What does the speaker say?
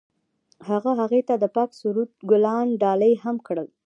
هغه هغې ته د پاک سرود ګلان ډالۍ هم کړل.